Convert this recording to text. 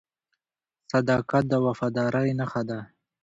• صداقت د وفادارۍ نښه ده.